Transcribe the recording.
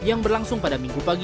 yang berlangsung pada minggu pagi